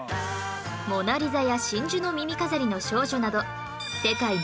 『モナ・リザ』や『真珠の耳飾りの少女』など世界の名画